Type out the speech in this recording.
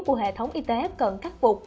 của hệ thống y tế cần cắt phục